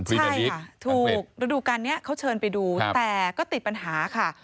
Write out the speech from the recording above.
ใช่ค่ะถูกฤดูการนี้เขาเชิญไปดูแต่ก็ติดปัญหาค่ะ